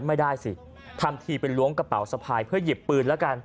ไม่ได้สิทำทีไปล้วงกระเป๋าสะพายเพื่อหยิบปืนแล้วกัน